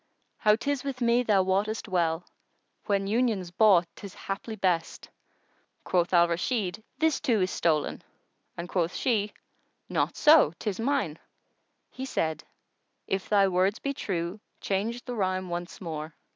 How 'tis with me thou wottest well * When union's bought 'tis haply best!" Quoth Al Rashid, "This too is stolen"; and quoth she, "Not, so, 'tis mine." He said, "If thy words be true change the rhyme once more."